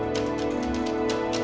lo kenapa sih